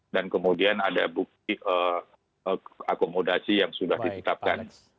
dan kemudian ada bukti akomodasi yang sudah ditetapkan